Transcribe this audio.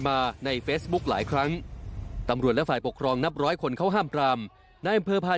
โปรดติดตามต่อไป